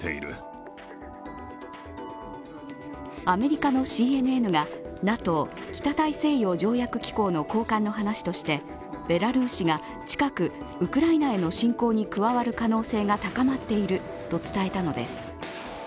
アメリカのＣＮＮがＮＡＴＯ＝北大西洋条約機構の高官の話としてベラルーシが近くウクライナへの侵攻に加わる可能性が高まっていると伝えたのです。